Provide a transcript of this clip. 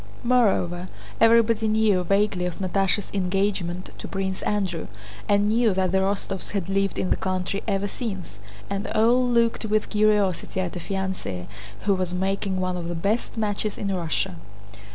Moreover, everybody knew vaguely of Natásha's engagement to Prince Andrew, and knew that the Rostóvs had lived in the country ever since, and all looked with curiosity at a fiancée who was making one of the best matches in Russia.